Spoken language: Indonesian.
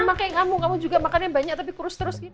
sama kayak kamu kamu juga makan yang banyak tapi kurus terus gitu